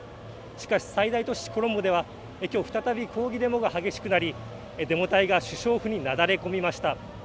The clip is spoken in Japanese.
しかし、最大都市コロンボではきょう再び抗議デモが激しくなりデモ隊が首相府になだれ込みました。